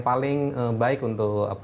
paling baik untuk